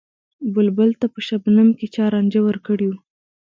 بلبل ته په شبنم کــــې چا رانجه ور کـــړي وو